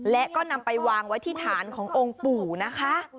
และก็นำไปวางไว้ที่ฐานขององค์ปู่นะคะ